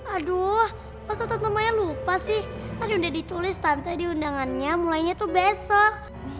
aduh masa tante maya lupa sih tadi udah ditulis tante diundangannya mulainya tuh besok